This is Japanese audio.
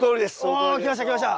おきましたきました！